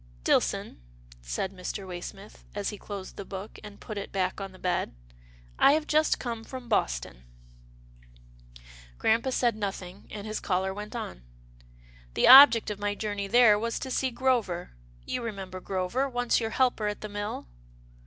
" Dillson," said Mr. Waysmith, as he closed the book, and put it back on the bed. " I have just come from Boston." MILD FORGIVENESS 87 Grampa said nothing, and his caller went on, " The object of my journey there was to see Grover. You remember Grover, once your helper at the mill?"